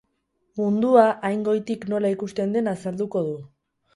Mundua hain goitik nola ikusten den azalduko du.